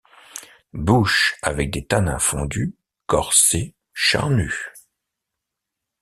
Bouche avec des tanins fondu, corsé, charnu.